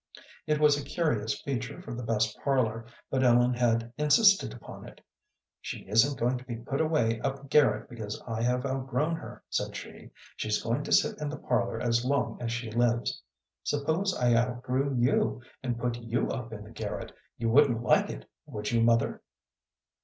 It was a curious feature for the best parlor, but Ellen had insisted upon it. "She isn't going to be put away up garret because I have outgrown her," said she. "She's going to sit in the parlor as long as she lives. Suppose I outgrew you, and put you up in the garret; you wouldn't like it, would you, mother?"